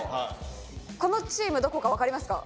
このチームどこか分かりますか？